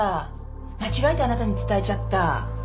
間違えてあなたに伝えちゃった。